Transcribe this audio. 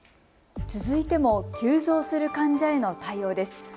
続いても急増する患者への対応です。